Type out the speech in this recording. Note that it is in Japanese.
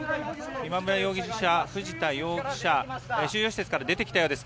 今村容疑者、藤田容疑者が収容施設から出てきたようです。